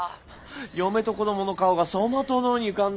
嫁と子供の顔が走馬灯のように浮かんだよ。